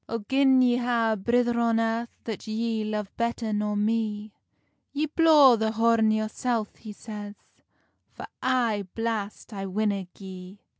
"O gin ye ha a brither on earth That ye love better nor me, Ye blaw the horn yoursel," he says, "For ae blast I winna gie."